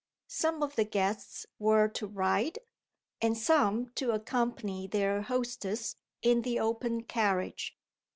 Some of the guests were to ride, and some to accompany their hostess in the open carriage.